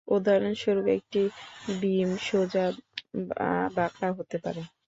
উদাহরণস্বরূপ, একটি বীম সোজা বা বাঁকা হতে পারে।